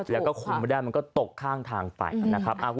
แล้วก็คุมไม่ได้มันก็ตกข้างทางไปนะครับ